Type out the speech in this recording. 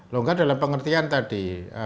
longgar dalam pengertian tadi